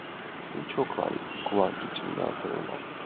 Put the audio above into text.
— Ничо, Клавий... — куван кидшым ниялта уна.